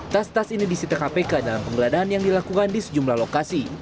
tas tas ini disita kpk dalam penggeledahan yang dilakukan di sejumlah lokasi